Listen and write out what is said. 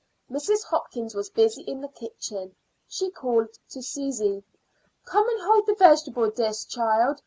Mrs. Hopkins was busy in the kitchen. She called to Susy: "Come and hold the vegetable dish, child.